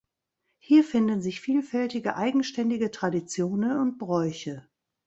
Hier finden sich vielfältige eigenständige Traditionen und Bräuche.